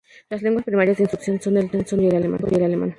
Las lenguas primarias de instrucción son el turco y el alemán.